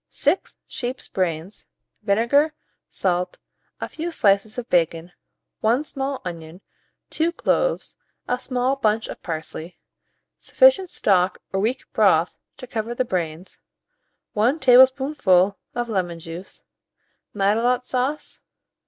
6 sheep's brains, vinegar, salt, a few slices of bacon, 1 small onion, 2 cloves, a small bunch of parsley, sufficient stock or weak broth to cover the brains, 1 tablespoonful of lemon juice, matelote sauce, No.